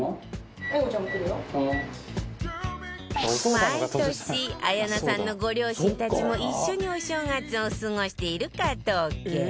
毎年綾菜さんのご両親たちも一緒にお正月を過ごしている加藤家